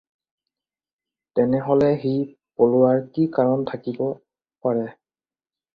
তেনেহ'লে সি পলোৱাৰ কি কাৰণ থাকিব পাৰে?